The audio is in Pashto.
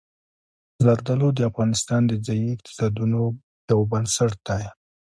زردالو د افغانستان د ځایي اقتصادونو یو بنسټ دی.